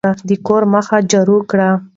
د کور مخه جارو کړئ.